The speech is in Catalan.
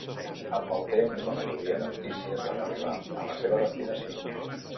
Amb el temps, la majoria de notícies van arribar a la seva destinació.